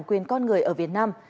quyền con người ở việt nam